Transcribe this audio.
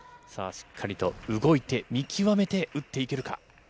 しっかりと動いて、見極めて打っていけるか。